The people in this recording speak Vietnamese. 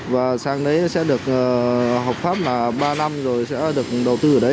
và sang đấy sẽ được học pháp là ba năm rồi sẽ được đầu tư ở đấy